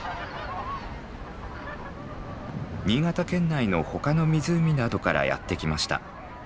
新潟県内の他の湖などからやって来ました。